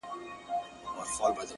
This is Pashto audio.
• چي خدای څومره پیدا کړی یم غښتلی ,